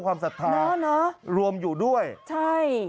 ความศรัทธารวมอยู่ด้วยนะใช่